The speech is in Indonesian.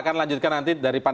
dalam beberapa waktu yang kedepan